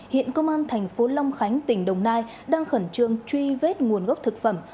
hiện công an thành phố long khánh tỉnh đồng nai đang khẩn trương truy vết nguồn gốc thực phẩm